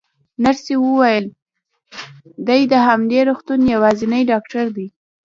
نرسې وویل: دی د همدې روغتون یوازینی ډاکټر دی.